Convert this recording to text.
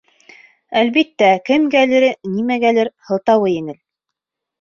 Әлбиттә, кемгәлер, нимәгәлер һылтауы еңел.